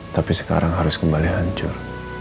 tapi sekarang harus kembali hancur